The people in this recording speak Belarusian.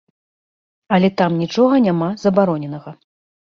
Але там нічога няма забароненага.